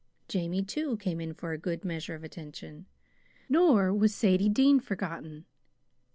Jamie, too, came in for a good measure of attention, nor was Sadie Dean forgotten.